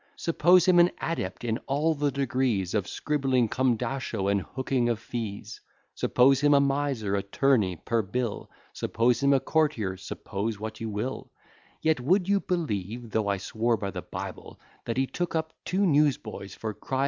Suppose him an adept in all the degrees Of scribbling cum dasho, and hooking of fees; Suppose him a miser, attorney, per bill, Suppose him a courtier suppose what you will Yet, would you believe, though I swore by the Bible, That he took up two news boys for crying the libel?